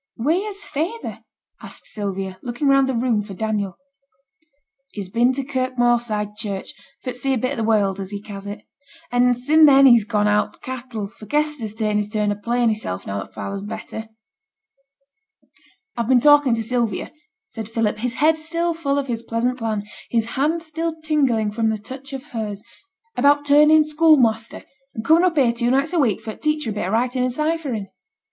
'Wheere's feyther?' said Sylvia, looking round the room for Daniel. 'He's been to Kirk Moorside Church, for t' see a bit o' th' world, as he ca's it. And sin' then he's gone out to th' cattle; for Kester's ta'en his turn of playing hissel', now that father's better.' 'I've been talking to Sylvia,' said Philip, his head still full of his pleasant plan, his hand still tingling from the touch of hers, 'about turning schoolmaster, and coming up here two nights a week for t' teach her a bit o' writing and ciphering.'